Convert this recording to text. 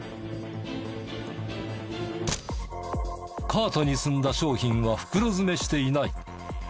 カートに積んだ商品は袋詰めしていない。